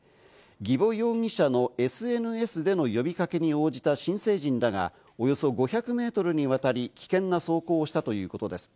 儀保容疑者のＳＮＳでの呼びかけに応じた新成人らがおよそ５００メートルにわたり危険な走行をしたということです。